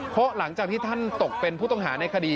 เพราะหลังจากที่ท่านตกเป็นผู้ต้องหาในคดี